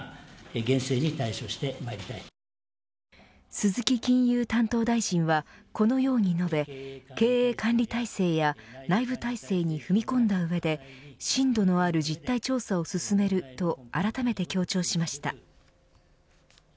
鈴木金融担当大臣はこのように述べ経営管理体制や内部体制に踏み込んだ上で深度のある実態調査を進めるとあらためて強調しました。